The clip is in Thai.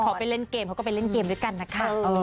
เขาไปเล่นเกมเขาก็ไปเล่นเกมด้วยกันนะคะ